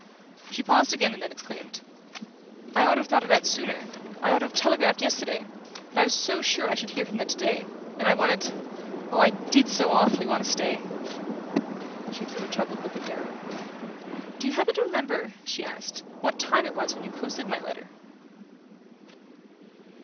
She paused again and then exclaimed: "I ought to have thought of that sooner; I ought to have telegraphed yesterday! But I was sure I should hear from them today; and I wanted oh, I DID so awfully want to stay!" She threw a troubled look at Darrow. "Do you happen to remember," she asked, "what time it was when you posted my letter?"